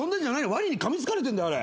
ワニにかみつかれてんだよあれ。